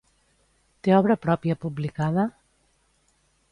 Té obra pròpia publicada?